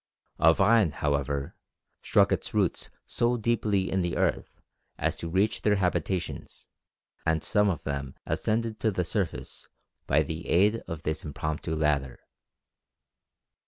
A vine, however, struck its roots so deeply in the earth as to reach their habitations, and some of them ascended to the surface by the aid of this impromptu ladder.